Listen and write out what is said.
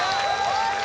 ＯＫ